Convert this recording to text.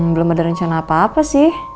belum ada rencana apa apa sih